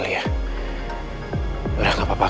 mahkan dua anak lunar